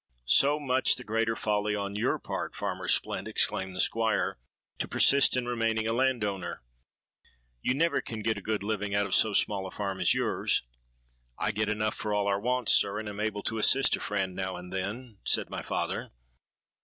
'—'So much the greater folly on your part, Farmer Splint,' exclaimed the Squire, 'to persist in remaining a landowner. You never can get a good living out of so small a farm as your's.'—'I get enough for all our wants sir, and am able to assist a friend now and then,' said my father.